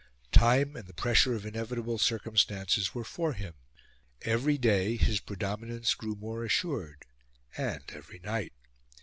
Time and the pressure of inevitable circumstances were for him; every day his predominance grew more assured and every night.